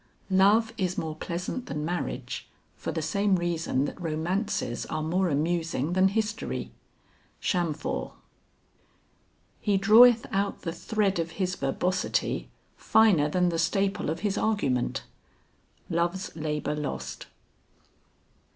Love is more pleasant than marriage, for the same reason that romances are more amusing than history. CHAMFORT. "He draweth out the thread of his verbosity, finer than the staple of his argument." LOVES LABOR LOST.